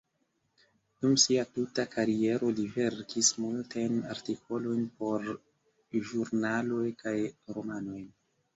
Dum sia tuta kariero li verkis multajn artikolojn por ĵurnaloj kaj romanojn.